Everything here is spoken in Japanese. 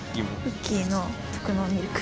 クッキーの特濃ミルク。